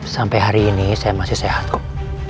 sampai hari ini saya masih sehat kok